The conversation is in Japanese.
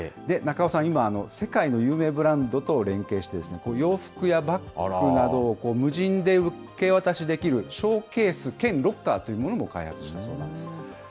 中尾さん、今、世界有名ブランドと連携して、洋服やバッグなどを無人で受け渡しできるショーケース兼ロッカーというものも開発したそうなんです。